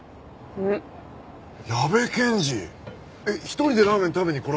えっ一人でラーメン食べに来られるんですか？